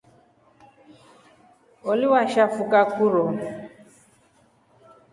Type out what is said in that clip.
Oli washafuka kutro.